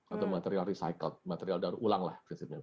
atau material recycled material daur ulang lah